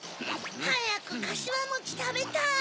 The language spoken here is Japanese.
はやくかしわもちたべたい！